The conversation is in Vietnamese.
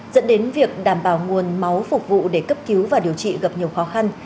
dẫn đến việc đảm bảo nguồn máu phục vụ để cấp cứu và điều trị gặp nhiều khó khăn